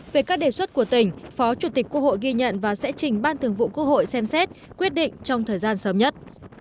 về các đề xuất của tỉnh phó chủ tịch quốc hội ghi nhận và sẽ trình ban thường vụ quốc hội xem xét quyết định trong thời gian sớm nhất